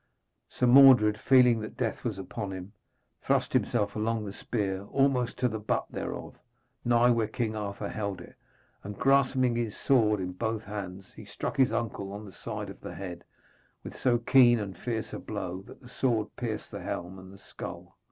Sir Mordred, feeling that death was upon him, thrust himself along the spear almost to the butt thereof, nigh where King Arthur held it, and grasping his sword in both his hands, he struck his uncle on the side of the head, with so keen and fierce a blow that the sword pierced the helm and the skull.